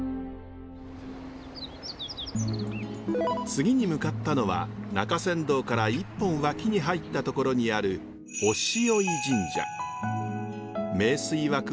次に向かったのは中山道から一本脇に入ったところにある名水湧く